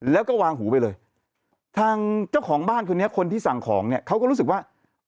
แล้วก็วางหูไปเลยทางเจ้าของบ้านคนนี้คนที่สั่งของเนี่ยเขาก็รู้สึกว่า